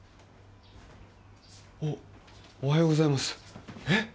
おおはようございますえっ